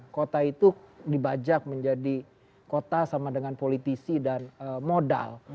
kota itu dibajak menjadi kota sama dengan politisi dan modal